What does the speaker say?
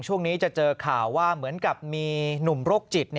ช่วงนี้จะเจอข่าวว่าเหมือนกับมีหนุ่มโรคจิต